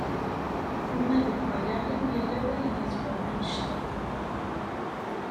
Uma deg wallaɣ-iw yella wayen yezwaren annect-a.